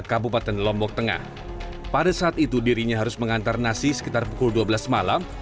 kabupaten lombok tengah pada saat itu dirinya harus mengantar nasi sekitar pukul dua belas malam